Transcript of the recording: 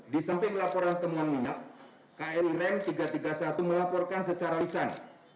di samping laporan temuan minyak kri rem tiga ratus tiga puluh satu melaporkan secara lisan